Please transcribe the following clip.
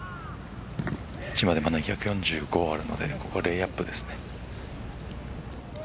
エッジまで１４５あるのでここでレイアップです。